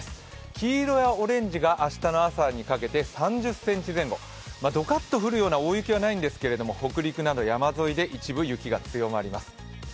黄色やオレンジが明日の朝にかけて３０ｃｍ前後、どかっと降るような大雪はないんですけれども北陸など山沿いで一部雪が強まります。